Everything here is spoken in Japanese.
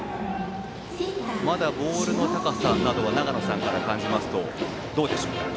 まだボールの高さなどは長野さんから見てどうでしょうか？